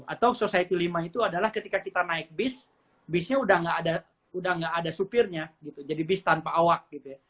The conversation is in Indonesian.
atau society lima itu adalah ketika kita naik bis bisnya udah nggak ada supirnya gitu jadi bis tanpa awak gitu ya